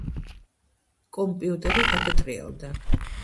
კომპიუტერი გადატრიალდა